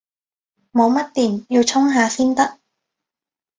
冇乜電，要充下先得